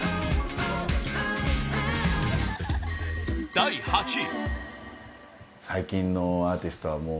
第８位